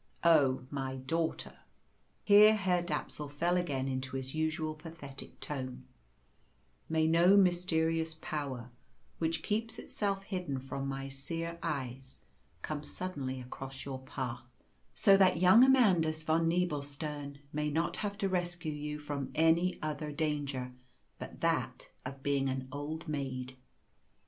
Oh, my daughter!" (here Herr Dapsul fell again into his usual pathetic tone), "may no mysterious power, which keeps itself hidden from my seer eyes, come suddenly across your path, so that young Amandus von Nebelstern may not have to rescue you from any other danger but that of being an old maid."